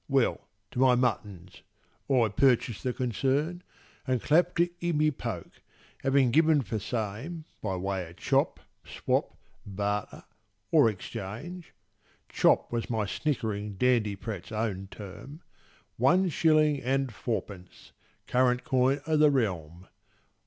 Well, to my muttons. I purchased the concern, And clapt it i' my poke, having given for same By way o' chop, swop, barter or exchange— 'Chop' was my snickering dandiprat's own term— One shilling and fourpence, current coin o' the realm.